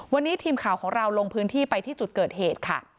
วันนี้ทีมข่าวของเราลงพื้นที่ไปที่จุดเกิดเหตุค่ะ